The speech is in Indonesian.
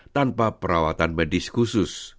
tanpa perawatan medis khusus